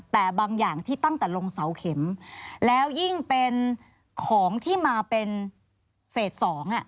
แต่บางอย่างที่ตั้งแต่ลงเสาเข็มแล้วยิ่งเป็นของที่มาเป็นเฟสสองอ่ะ